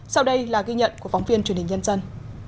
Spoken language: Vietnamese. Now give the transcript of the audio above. sau đây là ghi nhận của phóng viên truyền hình nhân dân